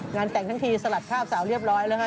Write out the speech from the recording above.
แต่งทั้งทีสลัดภาพสาวเรียบร้อยแล้วฮะ